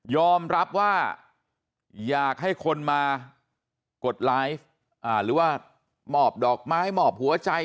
อมรับว่าอยากให้คนมากดไลฟ์หรือว่ามอบดอกไม้มอบหัวใจ